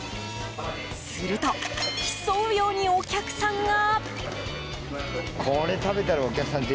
すると、競うようにお客さんが。